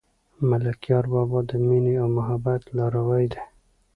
ملکیار بابا د مینې او محبت لاروی دی.